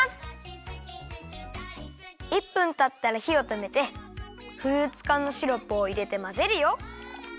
１分たったらひをとめてフルーツかんのシロップをいれてまぜるよ。